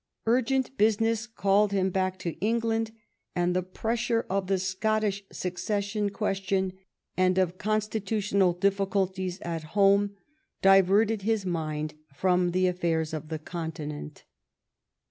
Urgent business called him back to England, and the pressure of the Scottish succession question and of con V EDWARDS CONTINENTAL POLICY 101 stitutional diflficulties at home diverted his mind from the affairs of the Continent.